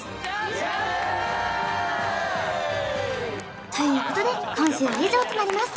やったー！ということで今週は以上となります